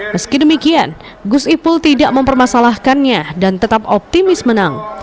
meski demikian gus ipul tidak mempermasalahkannya dan tetap optimis menang